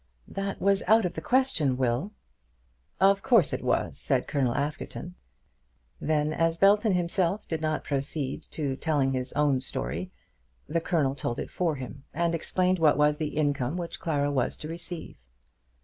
"That was out of the question, Will." "Of course it was," said Colonel Askerton. Then, as Belton himself did not proceed to the telling of his own story, the Colonel told it for him, and explained what was the income which Clara was to receive.